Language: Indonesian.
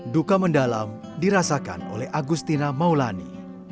duka mendalam dirasakan oleh agustina maulani